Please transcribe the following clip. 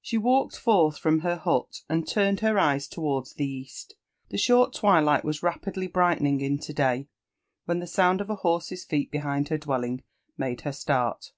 She walked forth from her. hutand turned her eyes towards the east. The short twilight was rapidly brightening into day, when Ihe sound of a horse's feet behind her dwelling made her start.